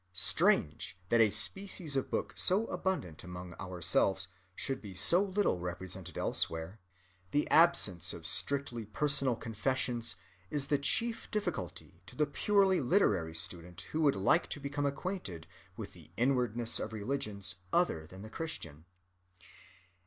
Strange that a species of book so abundant among ourselves should be so little represented elsewhere—the absence of strictly personal confessions is the chief difficulty to the purely literary student who would like to become acquainted with the inwardness of religions other than the Christian.